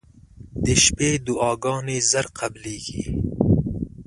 • د شپې دعاګانې زر قبلېږي.